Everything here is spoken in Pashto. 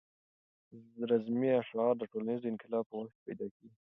رزمي اشعار د ټولنیز انقلاب په وخت کې پیدا کېږي.